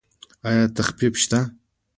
ایا تخفیف شته؟